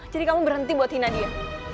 jadi kamu berhenti buat hina dia